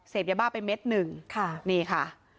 ยาบ้าไปเม็ดหนึ่งค่ะนี่ค่ะ